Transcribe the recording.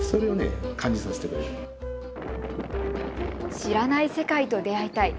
知らない世界と出会いたい。